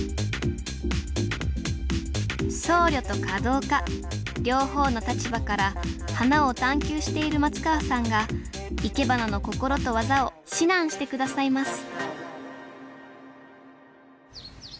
僧侶と華道家両方の立場から花を探究している松川さんがいけばなの心と技を指南して下さいます